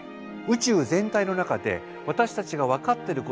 宇宙全体の中で私たちが分かってる